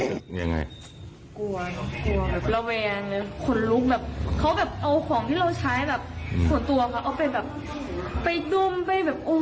กกนย่อมาจ๊ะ